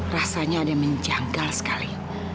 rasanya ada yang menjanggal sekali